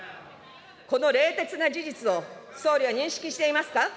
この冷徹な事実を総理は認識していますか。